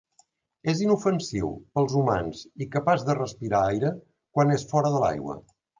És inofensiu per als humans i capaç de respirar aire quan és fora de l'aigua.